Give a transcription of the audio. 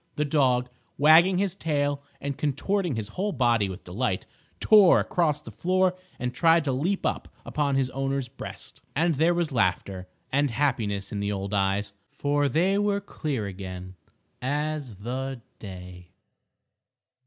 The dog, wagging his tail and contorting his whole body with delight, tore across the floor and tried to leap up upon his owner's breast. And there was laughter and happiness in the old eyes; for they were clear again as the day.